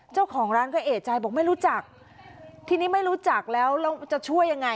เจ้าของร้านก็เอกใจบอกไม่รู้จักทีนี้ไม่รู้จักแล้วแล้วจะช่วยยังไง